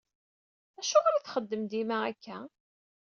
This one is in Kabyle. Acuɣer i txeddmem dima akka?